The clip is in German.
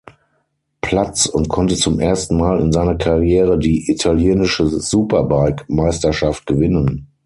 Platz und konnte zum ersten Mal in seiner Karriere die italienische Superbike-Meisterschaft gewinnen.